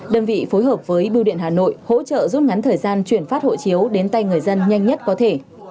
đơn vị phối hợp với bưu điện hà nội hỗ trợ rút ngắn thời gian chuyển phát hộ chiếu đến tay người dân nhanh nhất có thể